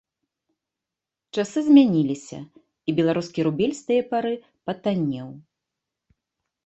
Часы змяніліся, і беларускі рубель з тае пары патаннеў.